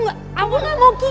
gak lah gak mungkin